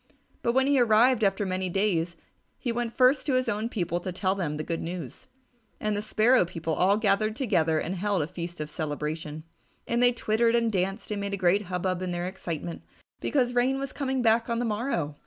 But when he arrived after many days, he went first to his own people to tell them the good news. And the Sparrow people all gathered together and held a feast of celebration, and they twittered and danced and made a great hub bub in their excitement because Rain was coming back on the morrow.